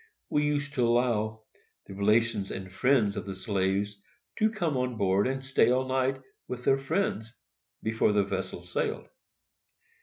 We used to allow the relations and friends of the slaves to come on board and stay all night with their friends, before the vessel sailed.